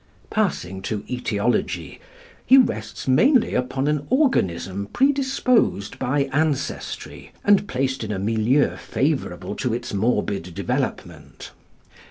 Passing to etiology, he rests mainly upon an organism predisposed by ancestry, and placed in a milieu favourable to its morbid development.